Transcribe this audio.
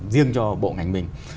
riêng cho bộ ngành mình